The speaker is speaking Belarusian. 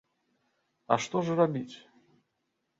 А што ж рабіць?